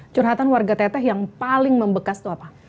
curhatan warga teteh yang paling membekas itu apa